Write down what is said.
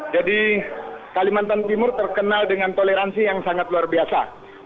jadi kalimantan timur terkenal dengan toleransi yang sangat luar biasa